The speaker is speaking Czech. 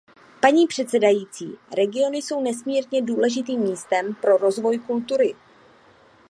Paní předsedající, regiony jsou nesmírně důležitým místem pro rozvoj kultury.